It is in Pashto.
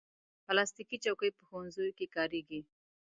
پلاستيکي چوکۍ په ښوونځیو کې کارېږي.